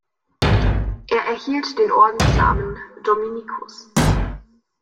Er erhielt den Ordensnamen „Dominicus“.